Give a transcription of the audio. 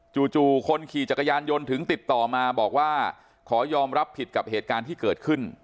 คนขี่จักรยานยนต์ถึงติดต่อมาบอกว่าขอยอมรับผิดกับเหตุการณ์ที่เกิดขึ้น